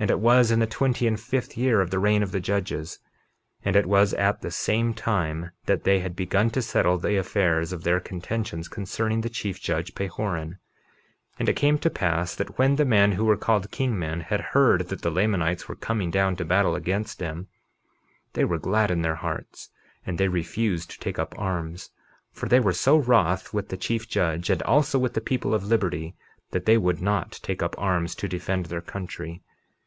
And it was in the twenty and fifth year of the reign of the judges; and it was at the same time that they had begun to settle the affairs of their contentions concerning the chief judge, Pahoran. 51:13 And it came to pass that when the men who were called king men had heard that the Lamanites were coming down to battle against them, they were glad in their hearts; and they refused to take up arms, for they were so wroth with the chief judge, and also with the people of liberty, that they would not take up arms to defend their country.